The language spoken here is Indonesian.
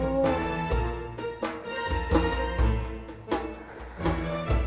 oh seperti itu